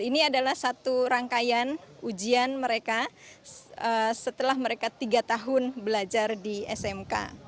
ini adalah satu rangkaian ujian mereka setelah mereka tiga tahun belajar di smk